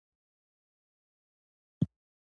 پنېر د پروټين یوه ارزانه سرچینه ده.